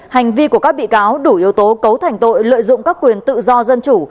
hành vi của các bị cáo đủ yếu tố cấu thành tội lợi dụng các quyền tự do dân chủ